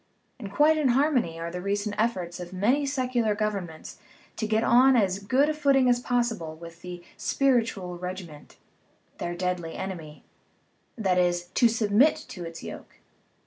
Quite in harmony are the recent efforts of many secular governments to get on as good a footing as possible with the "spiritual regiment," their deadly enemy that is, to submit to its yoke.